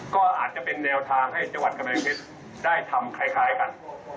ก็อาจจะเป็นแนวทางให้จังหวัดกำแพงเพชรได้ทำคล้ายกัน